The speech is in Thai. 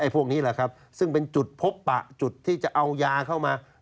พวกนี้แหละครับซึ่งเป็นจุดพบปะจุดที่จะเอายาเข้ามา